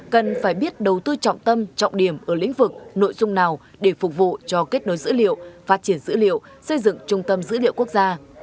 cần phải biết đầu tư trọng tâm trọng điểm ở lĩnh vực nội dung nào để phục vụ cho kết nối dữ liệu phát triển dữ liệu xây dựng trung tâm dữ liệu quốc gia